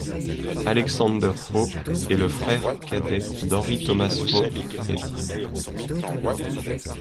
Alexander Hope est le frère cadet d'Henry Thomas Hope et d'.